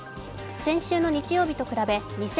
先週の日曜日と比べ２８０６